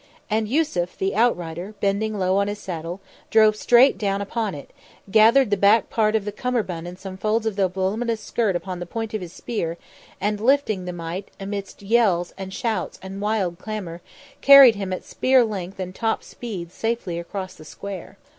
And Yussuf the outrider, bending low on his saddle, drove straight down upon it, gathered the back part of the cummerbund and some folds of the voluminous skirt upon the point of his spear, and, lifting the mite, amidst yells and shouts and wild clamour, carried him at spear length and top speed safely across the square.